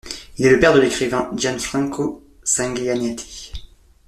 Il est le père de l'écrivain Gianfranco Sanguinetti.